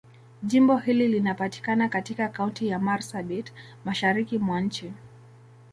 Jimbo hili linapatikana katika Kaunti ya Marsabit, Mashariki mwa nchi.